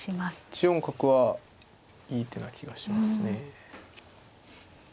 ８四角はいい手な気がしますね。